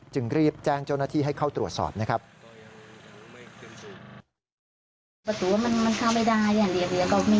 จึงรีบแจ้งเจ้าหน้าที่ให้เข้าตรวจสอบนะครับ